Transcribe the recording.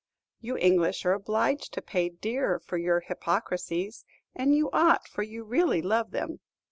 "You English are obliged to pay dear for your hypocrisies; and you ought, for you really love them."